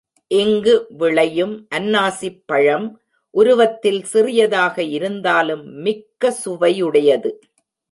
இங்கு விளையும் அன்னாசிப் பழம் உருவத்தில் சிறியதாக இருந்தாலும் மிக்க சுவையுடையது.